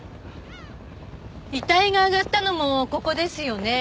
遺体が上がったのもここですよね？